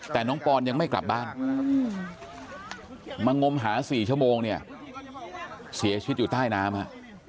แต่น้องปอนยังไม่กลับบ้านมางมหา๔ชั่วโมงเนี่ยเสียชีวิตอยู่ใต้น้ำฮะ